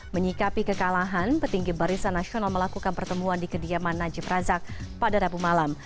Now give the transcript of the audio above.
menyikapi kekalahan petinggi barisan nasional melakukan pertemuan di kediaman najib razak pada rabu malam